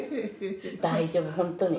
大丈夫ほんとに。